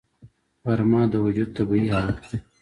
غرمه د وجود طبیعي حالت دی